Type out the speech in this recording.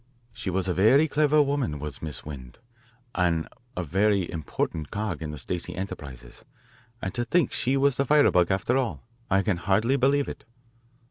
She was a very clever woman, was Miss Wend, and a very important cog in the Stacey enterprises. And to think she was the firebug, after all. I can hardly believe it."